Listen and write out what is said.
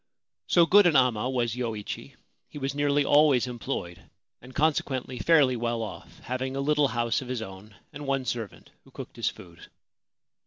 So good an amma was Yoichi, he was nearly always employed, and, consequently, fairly well ofF, having a little house of his own and one servant, who cooked his food.